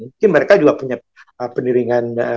mungkin mereka juga punya peniringan